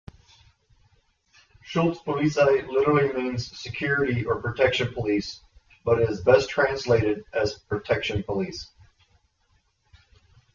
"Schutzpolizei" literally means security or protection police but is best translated as Protection police.